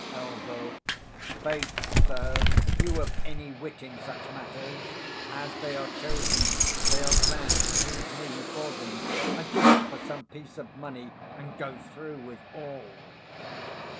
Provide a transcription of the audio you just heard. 250 Elb. Faith, sir, few of any wit in such matters: as they are chosen, they are glad to choose me for them; I do it for some piece of money, and go through with all.